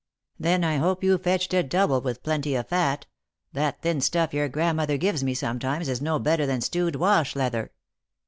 " Then I hope you fetched it double, with plenty of fat ; that thin stuff your grandmother gives me sometimes is no better than stewed washleather.